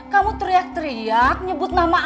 kamu teriak teriak nyebut nama ayu sampai kedua